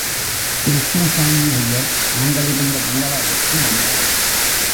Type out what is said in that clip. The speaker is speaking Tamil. கிருஷ்ணசாமி ஐயர், நாங்களிருந்த பங்களாவிற்கு வந்தார்.